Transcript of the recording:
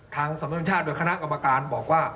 ทางสมัยบัญชาติโดยคณะกรรมการบอกว่า